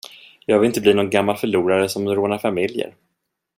Jag vill inte bli någon gammal förlorare som rånar familjer.